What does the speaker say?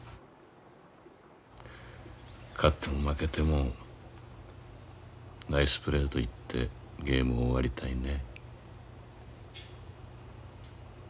勝っても負けてもナイスプレーと言ってゲームを終わりたいね。